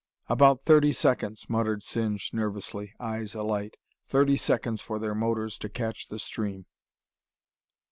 "About thirty seconds," muttered Singe nervously, eyes alight. "Thirty seconds for their motors to catch the stream.